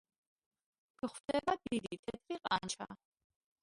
გვხვდება დიდი თეთრი ყანჩა.